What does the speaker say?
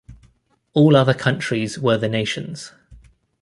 All other countries were the nations.